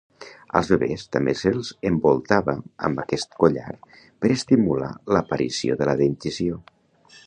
Als bebès també se'ls envoltava amb aquest collar per estimular l'aparició de la dentició.